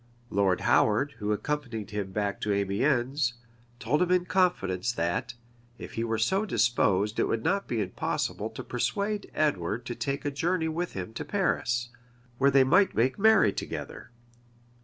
Lord Howard, who accompanied him back to Amiens, told him in confidence that, if he were so disposed it would not be impossible to persuade Edward to take a journey with him to Paris, where they might make merry together.